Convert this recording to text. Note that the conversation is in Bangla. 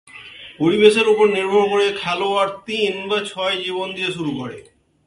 পরিবেশের উপর নির্ভর করে খেলোয়াড় তিন বা ছয় জীবন দিয়ে শুরু করে।